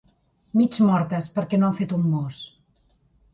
Mig mortes perquè no han fet un mos.